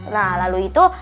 nah lalu itu